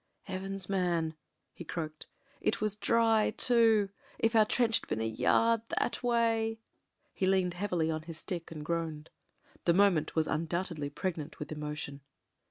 "Heavens! man," he croaked, "it was dry too. If our trench had been a yard that way. ..." He leant heavily on his stick, and groaned. The moment was undoubtedly pregnant with emo tion.